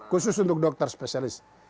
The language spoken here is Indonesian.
khusus untuk dokter spesialis